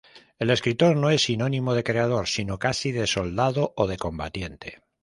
El escritor no es sinónimo de creador, sino casi de soldado o de combatiente.